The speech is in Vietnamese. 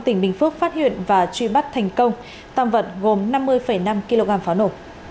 tỉnh bình phước phát hiện và truy bắt thành công tạm vận gồm năm mươi năm kg pháo nổ